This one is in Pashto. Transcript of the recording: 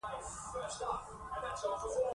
زه پوه سوم چې خبره رانه پټوي.